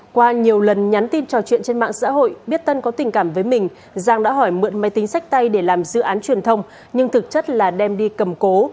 qua nhiều lần nhắn tin trò chuyện trên mạng xã hội biết tân có tình cảm với mình giang đã hỏi mượn máy tính sách tay để làm dự án truyền thông nhưng thực chất là đem đi cầm cố